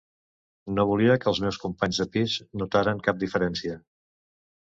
No volia que els meus companys de pis notaren cap diferència.